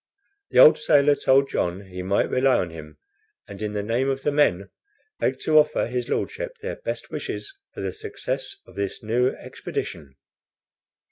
The old sailor told John he might rely on him, and, in the name of the men, begged to offer his Lordship their best wishes for the success of this new expedition.